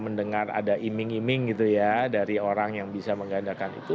mendengar ada iming iming gitu ya dari orang yang bisa menggandakan itu